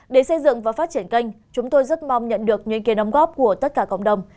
để xây dựng và phát triển kênh chúng tôi rất mong nhận được những kiến đóng góp của tất cả cộng đồng